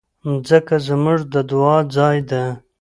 مځکه زموږ د دعا ځای ده.